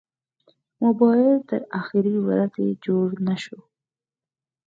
موبایل تر اخرې ورځې جوړ نه شو.